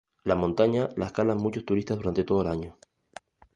La montaña la escalan muchos turistas durante todo el año.